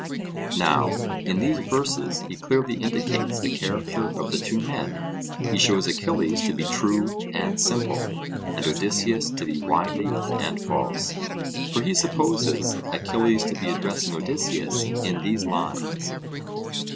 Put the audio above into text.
Now, in these verses he clearly indicates the character of the two men; he shows Achilles to be true and simple, and Odysseus to be wily and false; for he supposes Achilles to be addressing Odysseus in these lines.